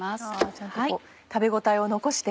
ちゃんと食べ応えを残して。